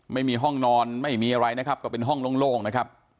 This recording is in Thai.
ไม่มีห้องนอนไม่มีอะไรนะครับก็เป็นห้องโล่งนะครับ